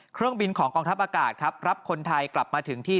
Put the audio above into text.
เครื่องบินของกองทัพอากาศครับรับคนไทยกลับมาถึงที่